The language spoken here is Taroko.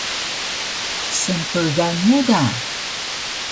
Snpgan mu da